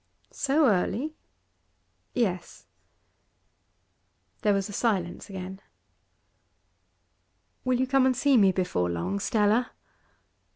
'So early?' 'Yes.' There was silence again. 'Will you come and see me before long, Stella?